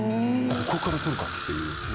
ここから撮るかっていう。